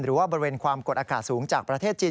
บริเวณความกดอากาศสูงจากประเทศจีน